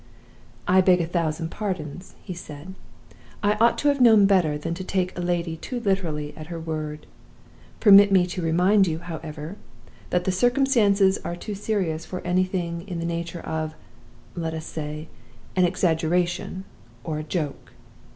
"'I beg a thousand pardons,' he said. 'I ought to have known better than to take a lady too literally at her word. Permit me to remind you, however, that the circumstances are too serious for anything in the nature of let us say, an exaggeration or a joke.